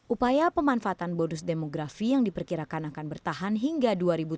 upaya pemanfaatan bonus demografi yang diperkirakan akan bertahan hingga dua ribu tujuh belas